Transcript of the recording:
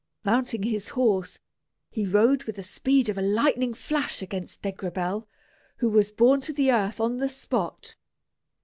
Mounting his horse, he rode with the speed of a lightning flash against Degrabell, who was borne to the earth on the spot.